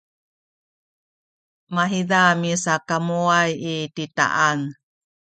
mahiza misakamuway i titaan